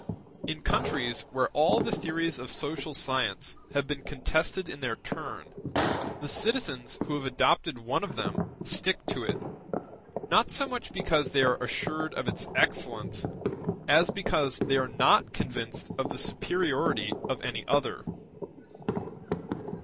In countries where all the theories of social science have been contested in their turn, the citizens who have adopted one of them stick to it, not so much because they are assured of its excellence, as because they are not convinced of the superiority of any other.